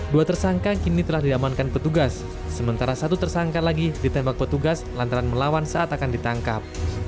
dua tersangka kini telah diamankan petugas sementara satu tersangka lagi ditembak petugas lantaran melawan saat akan ditangkap